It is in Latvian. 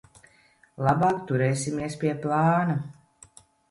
Labāk turēsimies pie plāna.